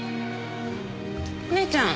お姉ちゃん？